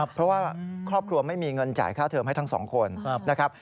เพราะว่าครอบครัวไม่มีเงินจ่ายค่าเทิมให้ทั้งสองคนนะครับ